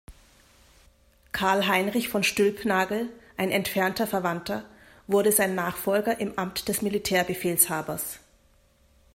Carl-Heinrich von Stülpnagel, ein entfernter Verwandter, wurde sein Nachfolger im Amt des Militärbefehlshabers.